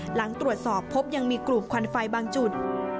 หลังตรวจสอบพบยังมีกลุ่มควันไฟบางจุด